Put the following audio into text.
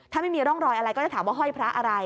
ถ้าไม่มีร่องรอยอะไรก็จะถามว่าห้อยพระอะไร